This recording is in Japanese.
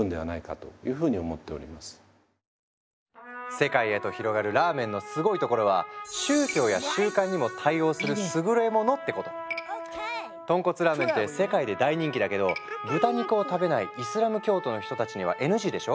世界へと広がるラーメンのすごいところは豚骨ラーメンって世界で大人気だけど豚肉を食べないイスラム教徒の人たちにはＮＧでしょ？